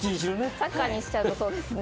サッカーにしちゃうとそうですね。